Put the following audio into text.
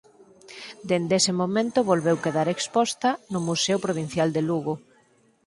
Dende ese momento volveu quedar exposta no Museo Provincial de Lugo.